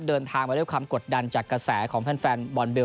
เดินทางมาด้วยคำกดดันจากกระแสของแฟนแฟนบอลเบลเยี่ยม